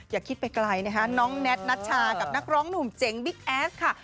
อย่าคิดไปไกลนะคะน้องแน็ตนัชชากับนักร้องหนุ่มเจ๋งบิ๊กแอสค่ะ